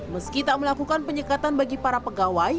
meski tak melakukan penyekatan bagi para pegawai